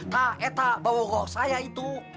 tak etak bawogoh saya itu